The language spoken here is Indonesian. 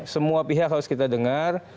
semua pihak harus kita dengar